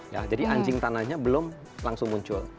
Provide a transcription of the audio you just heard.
ya jadi anjing tanahnya belum langsung muncul